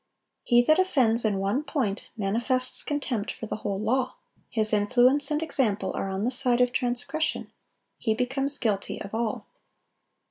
He that offends "in one point," manifests contempt for the whole law; his influence and example are on the side of transgression; he becomes "guilty of all."